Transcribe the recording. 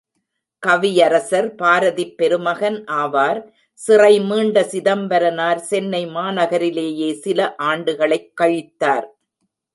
கவியரசர் பாரதிப் பெருமகன் ஆவார். சிறை மீண்ட சிதம்பரனார் சென்னை மாநகரிலேயே சில ஆண்டுகளைக் கழித்தார்.